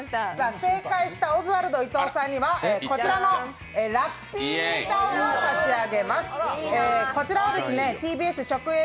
正解したオズワルド・伊藤さんには、こちらのラッピーミニタオルを差し上げます。